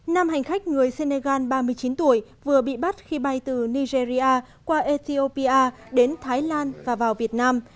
nam hành khách người senegal ba mươi chín tuổi vừa bị bắt khi bay từ nigeria qua ethiopia đến thái lan và vào việt nam